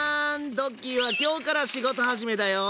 ドッキーは今日から仕事始めだよ。